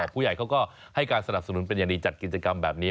ผู้ใหญ่เขาก็ให้การสนับสนุนเป็นอย่างดีจัดกิจกรรมแบบนี้